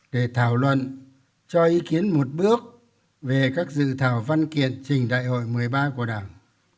để thảo luận cho ý kiến một bước về các dự thảo văn kiện trình đại hội một mươi ba của đảng